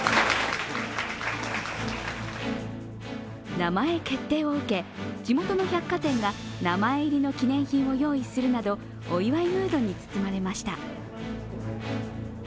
名前決定を受け、地元の百貨店が名前入りの記念品を用意するなどお祝いムードに包まれました。